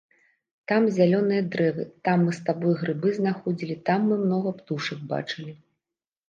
Там зялёныя дрэвы, там мы з табой грыбы знаходзілі, там мы многа птушак бачылі.